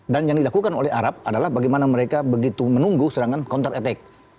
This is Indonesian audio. dan yang dilakukan oleh arab adalah bagaimana mereka begitu menunggu serangan kontra epokasi